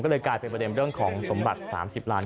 ก็เลยกลายเป็นประเด็นเรื่องของสมบัติ๓๐ล้าน